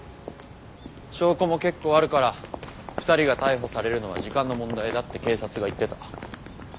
証拠も結構あるから２人が逮捕されるのは時間の問題だって警察が言ってた。